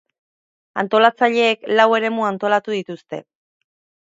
Antolatzaileek lau eremu antolatu dituzte.